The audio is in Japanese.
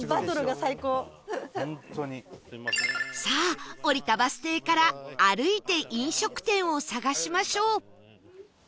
さあ降りたバス停から歩いて飲食店を探しましょう